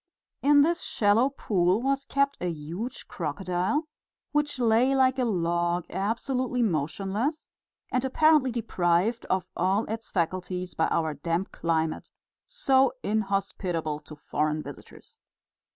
In this shallow pool was kept a huge crocodile, which lay like a log absolutely motionless and apparently deprived of all its faculties by our damp climate, so inhospitable to foreign visitors.